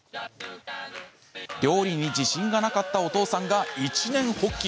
料理に自信がなかったお父さんが一念発起！